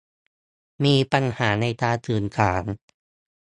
มีปัญหาในการสื่อสาร